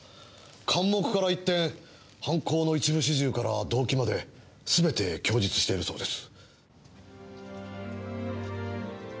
完黙から一転犯行の一部始終から動機まですべて供述しているそうです。